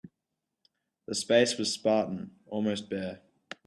The space was spartan, almost bare.